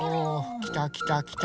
きたきたきた。